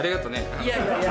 いやいやいや。